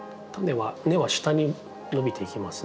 根は下に伸びていきますので。